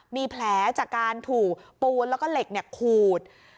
มีแผลจากการถูกปูนแล้วก็เหล็กขูด